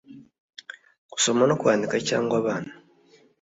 Gusoma No Kwandika Cyangwa Abana